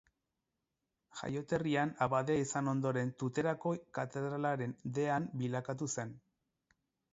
Jaioterrian abadea izan ondoren, Tuterako katedralaren dean bilakatu zen.